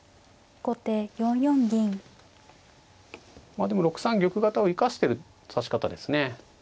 まあでも６三玉型を生かしてる指し方ですね。